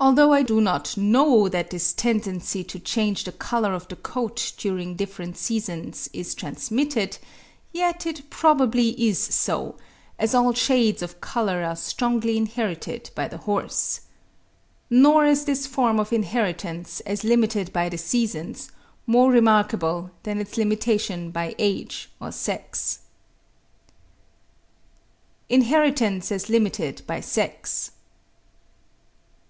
Although I do not know that this tendency to change the colour of the coat during different seasons is transmitted, yet it probably is so, as all shades of colour are strongly inherited by the horse. Nor is this form of inheritance, as limited by the seasons, more remarkable than its limitation by age or sex. INHERITANCE AS LIMITED BY SEX.